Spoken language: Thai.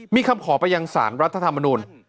มีคำขอไปยังสารรัฐธรรมนูล